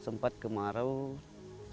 sempat kemarau sembilan bulan